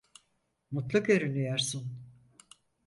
Mutlu görünüyorsun.